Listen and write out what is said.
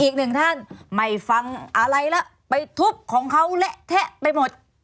อีกหนึ่งท่านไม่ฟังอะไรแล้วไปทุบของเขาเละเทะไปหมด